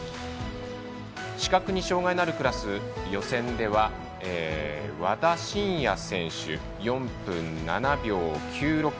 視覚に障がいのあるクラス予選では和田伸也選手４分７秒９６。